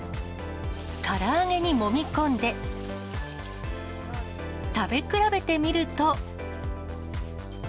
から揚げにもみ込んで、食べ比べてみると。